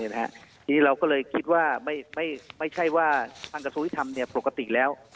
ทีนี้เราก็เลยคิดว่าไม่ใช่ว่าทางกระทรวงยุทธรรมปกติแล้ว